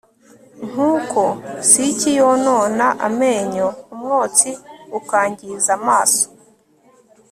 nk'uko siki yonona amenyo, umwotsi ukangiza amaso